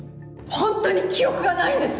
ほんとに記憶がないんです。